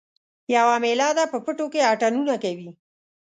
یوه میله ده په پټو کې اتڼونه کوي